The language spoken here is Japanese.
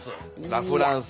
ラフランス。